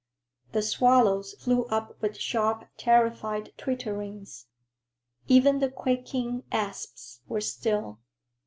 The swallows flew up with sharp, terrified twitterings. Even the quaking asps were still.